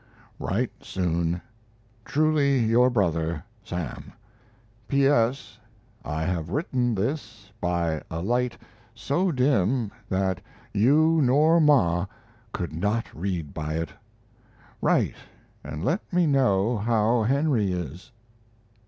Write soon. Truly your brother, SAM P.S. I have written this by a light so dim that you nor Ma could not read by it. Write, and let me know how Henry is.